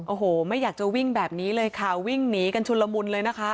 โอ้โหไม่อยากจะวิ่งแบบนี้เลยค่ะวิ่งหนีกันชุนละมุนเลยนะคะ